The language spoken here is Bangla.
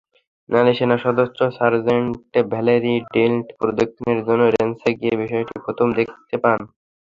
নারী সেনাসদস্য সার্জেন্ট ভ্যালেরি ডিন্ট প্রশিক্ষণের জন্য রেঞ্জে গিয়ে বিষয়টি প্রথম দেখতে পান।